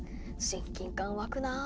親近感わくな。